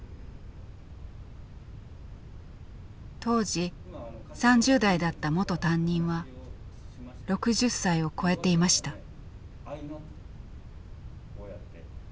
当時３０代だった元担任は６０歳を超えていました。